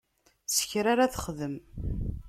Sekra ara texdem.